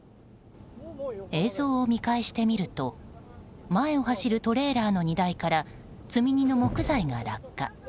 映像を見返してみると前を走るトレーラーの荷台から積み荷の木材が落下。